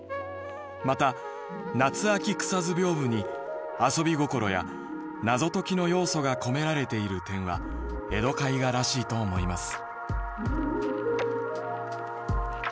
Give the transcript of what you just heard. また『夏秋草図屏風』に遊び心や謎解きの要素が込められている点は江戸絵画らしいと思います」。